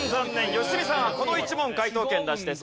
良純さんはこの１問解答権なしです。